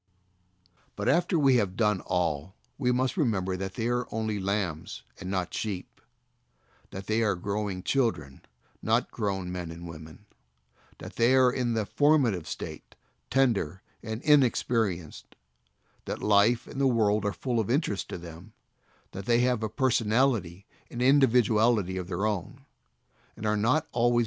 But after we have done all, we must re member that they are only lambs, and not sheep ; that they are growing children, not grown men and women ; that they are in the formative state, tender and inexperienced ; that life and the world are full of interest to them; that they have a personality and individuality of their own, and are not always SOUL WINNER AND CHILDREN.